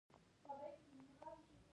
ګرم موسم کې موټر ته پاملرنه وکړه.